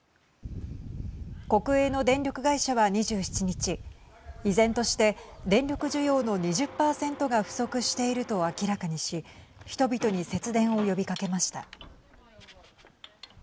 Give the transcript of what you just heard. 国営の電力会社は２７日依然として、電力需要の２０％が不足していると明らかにし人々に節電を呼びかけました。